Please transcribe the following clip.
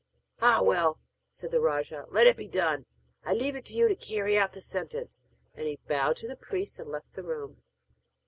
'Ah, well,' said the rajah, 'let it be done. I leave it to you to carry out the sentence.' And he bowed to the priests and left the room.